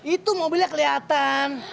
itu mobilnya keliatan